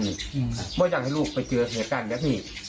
เพราะอยากให้ลูกไปเจอศนิยะกันแบบนี้